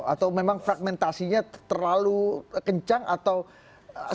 atau memang fragmentasinya terlalu kencang atau seperti apa